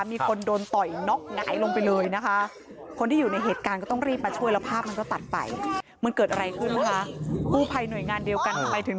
มีคนโดนต่อยน็อคหงายลงไปเลยนะคะ